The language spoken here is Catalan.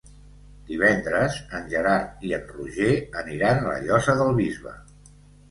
Divendres en Gerard i en Roger aniran a la Llosa del Bisbe.